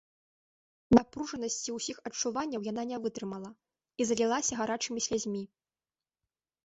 Напружанасці ўсіх адчуванняў яна не вытрымала і залілася гарачымі слязьмі.